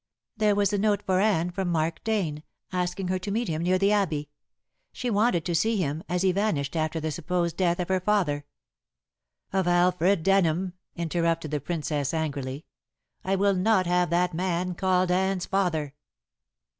"There was a note for Anne from Mark Dane, asking her to meet him near the Abbey. She wanted to see him, as he vanished after the supposed death of her father." "Of Alfred Denham," interrupted the Princess angrily; "I will not have that man called Anne's father."